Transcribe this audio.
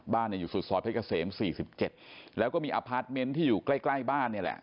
อยู่สุดซอยเพชรเกษม๔๗แล้วก็มีอพาร์ทเมนต์ที่อยู่ใกล้บ้านนี่แหละ